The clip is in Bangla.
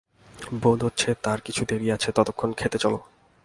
বোধ হচ্ছে তার কিছু দেরি আছে, ততক্ষণ খেতে চলো।